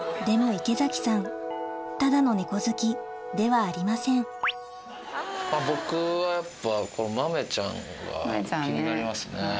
でも池崎さんただの猫好きではありません豆ちゃんね。